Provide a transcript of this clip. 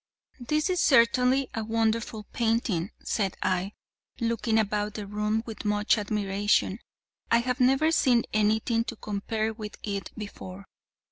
"This is certainly a wonderful painting," said I, looking about the room with much admiration. "I have never seen anything to compare with it before."